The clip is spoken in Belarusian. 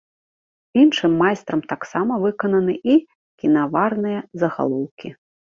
Іншым майстрам таксама выкананы і кінаварныя загалоўкі.